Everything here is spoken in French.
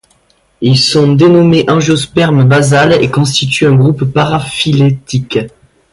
Ils sont dénommés Angiospermes basales et constituent un groupe paraphylétique.